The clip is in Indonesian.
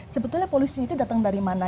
sebetulnya polusi itu datang dari mana